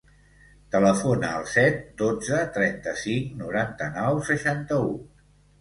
Telefona al set, dotze, trenta-cinc, noranta-nou, seixanta-u.